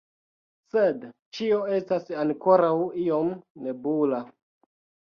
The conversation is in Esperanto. Sed ĉio estas ankoraŭ iom nebula.